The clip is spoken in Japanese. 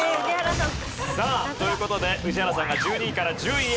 さあという事で宇治原さんが１２位から１０位へ。